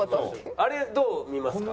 あれどう見ますか？